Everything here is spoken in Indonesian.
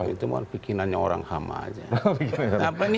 itu bikinannya orang ham saja